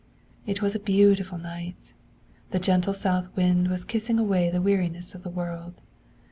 'It was a beautiful night. The gentle south wind was kissing away the weariness of the world.